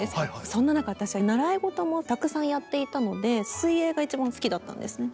そんな中私は習い事もたくさんやっていたので水泳が一番好きだったんですね。